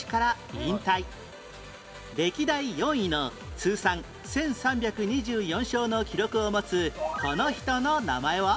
歴代４位の通算１３２４勝の記録を持つこの人の名前は？